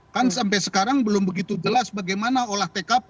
kan sampai sekarang belum begitu jelas bagaimana olah tkp